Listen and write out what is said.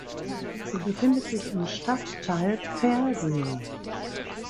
Sie befindet sich im Stadtteil Pfersee.